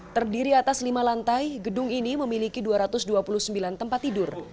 terdiri atas lima lantai gedung ini memiliki dua ratus dua puluh sembilan tempat tidur